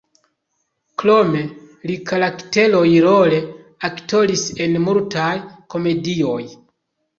Krome li karakteroj-role aktoris en multaj komedioj.